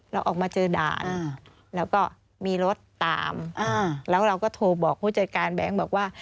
เราออกมาเจอด่านแล้วก็มีรถตามแล้วเราก็โทรบอกผู้จัดการแบงค์บอกว่า